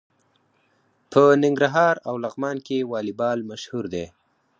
په ننګرهار او لغمان کې والیبال مشهور دی.